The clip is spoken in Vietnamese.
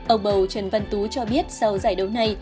ông bầu trần văn tú cho biết sau giải đấu này